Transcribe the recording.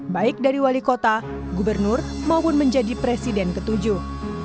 baik dari wali kota gubernur maupun menjadi presiden ketujuh